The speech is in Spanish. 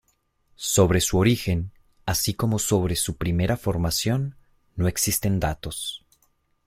Sobre su origen así como sobre su primera formación no existen datos.